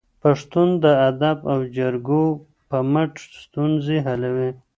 پښتون د ادب او جرګو په مټ ستونزې حلوي.